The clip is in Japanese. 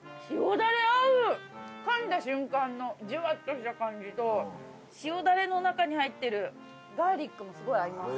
噛んだ瞬間のジュワっとした感じと塩ダレの中に入ってるガーリックもすごい合います。